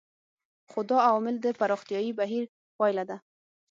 خو دا عوامل د پراختیايي بهیر پایله ده.